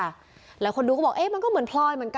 หลายคนดูก็บอกเอ๊ะมันก็เหมือนพลอยเหมือนกัน